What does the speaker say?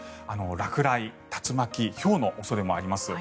落雷、竜巻ひょうの恐れもあります。